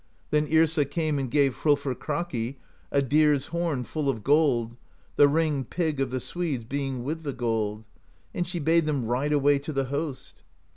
Then Yrsa came and gave Hrolfr Kraki a deer's horn full of gold, the ring Pig of the Swedes being with the gold; and she bade them ride away to the host.